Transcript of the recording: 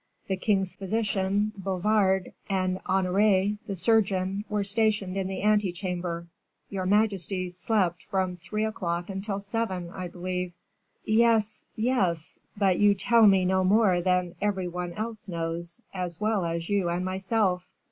The king's physician, Bouvard, and Honore, the surgeon, were stationed in the ante chamber; your majesty slept from three o'clock until seven, I believe." "Yes, yes; but you tell me no more than every one else knows as well as you and myself."